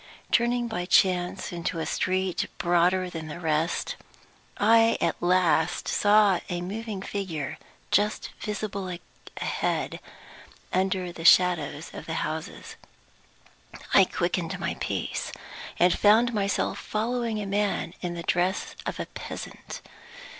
Turning by chance into a street broader than the rest, I at last saw a moving figure, just visible ahead, under the shadows of the houses. I quickened my pace, and found myself following a man in the dress of a peasant.